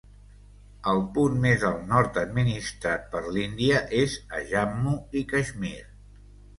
El punt més al nord administrat per la Índia és a Jammu i Caixmir.